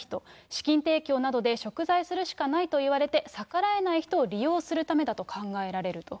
資金提供などでしょく罪するしかないと言われて、逆らえない人を利用するためだと考えられると。